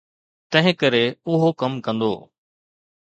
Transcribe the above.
تنهنڪري اهو ڪم ڪندو.